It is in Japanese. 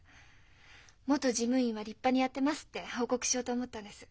元事務員は立派にやってますって報告しようと思ったんです。